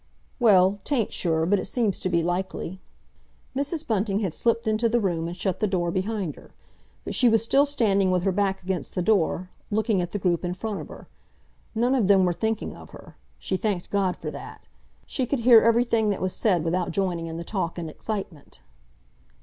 "Well, 'tain't sure, but it seems to be likely." Mrs. Bunting had slipped into the room and shut the door behind her. But she was still standing with her back against the door, looking at the group in front of her. None of them were thinking of her—she thanked God for that! She could hear everything that was said without joining in the talk and excitement.